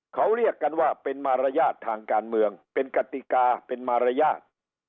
เขาเรียกกันว่าเป็นมารยาททางการเมืองเป็นกติกาเป็นมารยาท